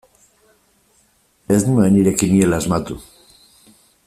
Ez nuen nire kiniela asmatu.